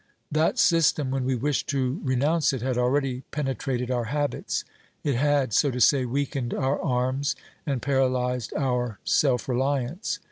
That system, when we wished to renounce it, had already penetrated our habits; it had, so to say, weakened our arms and paralyzed our self reliance.